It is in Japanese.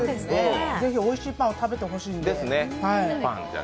ぜひおいしいパンを食べてほしいんで。